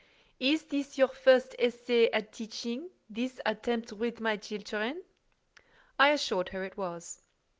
"Is this your first essay at teaching—this attempt with my children?" I assured her it was.